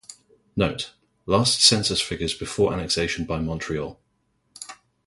Note: last census figures before annexation by Montreal.